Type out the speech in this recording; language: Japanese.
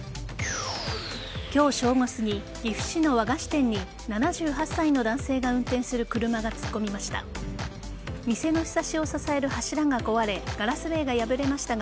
今日正午すぎ岐阜市の和菓子店に７８歳の男性が運転する車が突っ込みました。